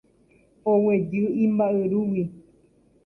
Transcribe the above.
Oguejy imba'yrúgui